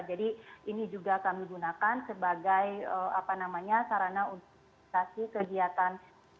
jadi ini juga kami gunakan sebagai sarana untuk melaksanakan kegiatan